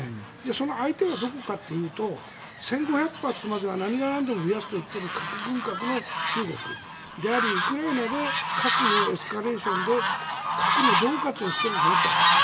その相手はどこかというと１５００発までは何がなんでも増やすと言っている核軍拡の中国でありウクライナで核のエスカレーションで核のどう喝をしているロシアですよ。